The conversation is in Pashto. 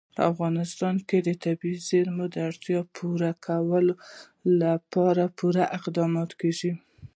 په افغانستان کې د طبیعي زیرمو د اړتیاوو پوره کولو لپاره پوره اقدامات کېږي.